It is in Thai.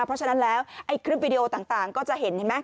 เพราะฉะนั้นแล้วไอ้คลิปวิดีโอต่างก็จะเห็นเห็นไหม